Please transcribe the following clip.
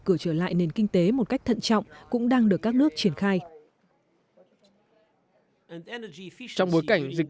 cửa trở lại nền kinh tế một cách thận trọng cũng đang được các nước triển khai trong bối cảnh dịch